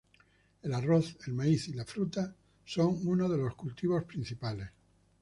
El arroz, el maíz y la fruta son unos de los cultivos principales.